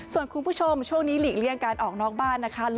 ส่วนคุณผู้ชมช่วงนี้หลีกเลี่ยงการออกนอกบ้านนะคะ